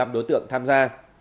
một mươi năm đối tượng tham gia